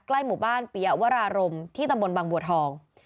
หมู่บ้านเปียวรารมที่ตำบลบางบัวทอง